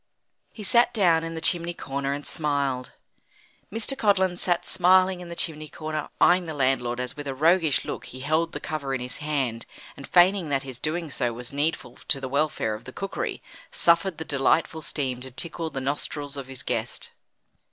He sat down in the chimney corner and smiled. Mr. Codlin sat smiling in the chimney corner, eyeing the landlord as with a roguish look he held the cover in his hand, and feigning that his doing so was needful to the welfare of the cookery, suffered the delightful steam to tickle the nostrils of his guest.